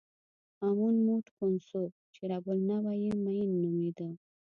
امون موټ خونسو چې رب النوع یې مېن نومېده.